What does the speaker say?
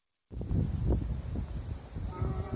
mkopo huo unatolewa bila kuchajiwa riba yoyote